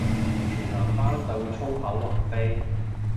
全男班就會粗口橫飛